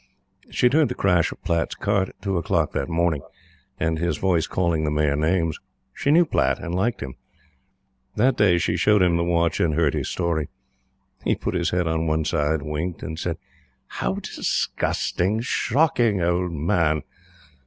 She had heard the crash of Platte's cart at two o'clock that morning, and his voice calling the mare names. She knew Platte and liked him. That day she showed him the watch and heard his story. He put his head on one side, winked and said: "How disgusting! Shocking old man!